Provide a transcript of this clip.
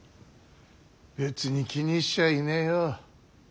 別に気にしちゃいねえよ。